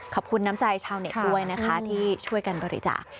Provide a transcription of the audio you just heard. น้ำใจชาวเน็ตด้วยนะคะที่ช่วยกันบริจาค